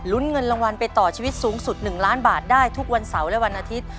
เงินรางวัลไปต่อชีวิตสูงสุด๑ล้านบาทได้ทุกวันเสาร์และวันอาทิตย์